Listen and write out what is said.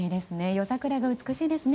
夜桜が美しいですね。